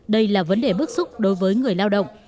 đây là vấn đề bức xúc đối với người lao động